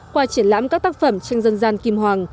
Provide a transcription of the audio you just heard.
qua triển lãm các tác phẩm tranh dân gian kim hoàng